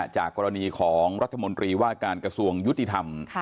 จากกรณีของรัฐมนตรีว่าการกระทรวงยุติธรรม